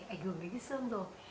ảnh hưởng đến cái xương rồi